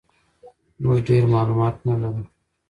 موږ ډېر معلومات نه لرو.